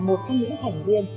một trong những thành viên